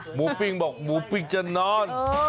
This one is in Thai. ปิ้งบอกหมูปิ้งจะนอน